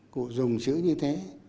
cô dùng chữ như thế